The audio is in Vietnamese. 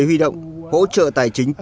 huy động hỗ trợ tài chính